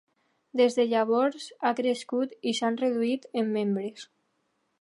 Des de llavors, ha crescut i s'han reduït en membres.